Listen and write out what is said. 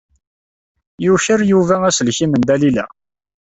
Yuker Yuba aselkim n Dalila.